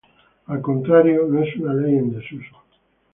Al contrario, no es una ley en desuso.